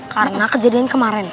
karena kejadian kemarin